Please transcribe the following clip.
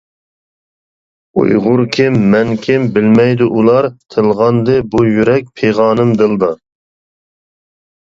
ئۇيغۇر كىم، مەن كىم؟ بىلمەيدۇ ئۇلار، تىلغاندى بۇ يۈرەك، پىغانىم دىلدا.